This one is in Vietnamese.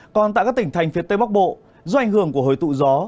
còn tại các tỉnh thành phía tây bắc bộ do ảnh hưởng của hồi tụ gió